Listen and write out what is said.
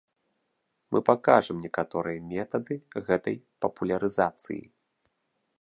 Мы пакажам некаторыя метады гэтай папулярызацыі.